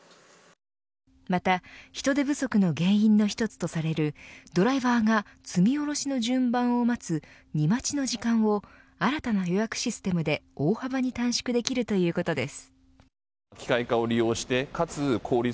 また人手不足の原因の一つとされるドライバーが積み降ろしの順番を待つ荷待ちの時間を新たな予約システムで大幅に短縮できるということです。